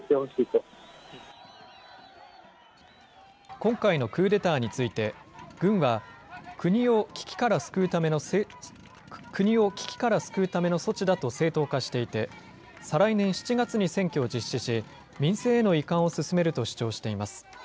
今回のクーデターについて、軍は、国を危機から救うための措置だと正当化していて、再来年７月に選挙を実施し、民政への移管を進めると主張しています。